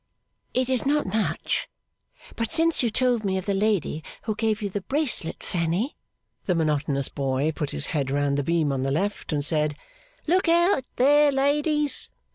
'It is not much; but since you told me of the lady who gave you the bracelet, Fanny ' The monotonous boy put his head round the beam on the left, and said, 'Look out there, ladies!